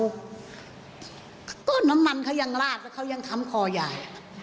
ก็น้ำมันเขายังลาดแล้วเขายังค้ำคอยาย